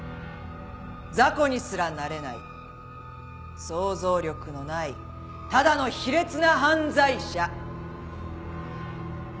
雑魚にすらなれない想像力のないただの卑劣な犯罪者。